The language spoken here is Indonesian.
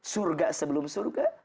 surga sebelum surga